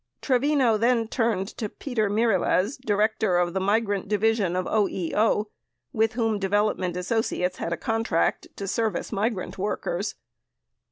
Trevino then turned to Peter Mirilez, Director of the Migrant Di vision of OEO, with whom Development Associates had a contract to service migrant workers.